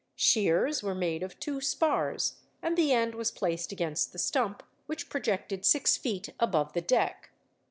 Shears were made of two spars, and the end was placed against the stump, which projected six feet above the deck.